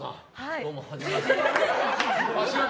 どうもはじめまして。